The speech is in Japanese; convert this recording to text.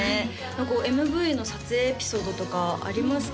こうＭＶの撮影エピソードとかありますか？